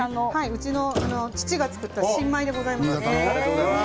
うちの父が作った新米でございます。